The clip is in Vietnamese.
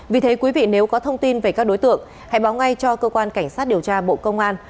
vì thế quý vị nếu có thông tin về các đối tượng hãy báo ngay cho cơ quan cảnh sát điều tra bộ công an